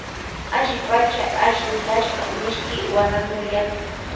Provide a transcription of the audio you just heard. Allipacha ashintashpa mishki guarango yaku.